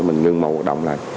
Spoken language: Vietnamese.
mình ngưng màu hoạt động lại